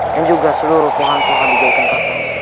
dan juga seluruh pulang tuhan dijadikan kotor